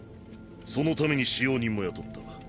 その為に使用人も雇った。